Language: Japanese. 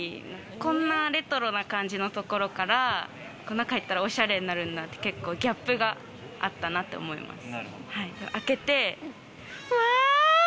こんなレトロな感じのところから中入ったら、おしゃれになるんだっていうギャップがあったなって思います。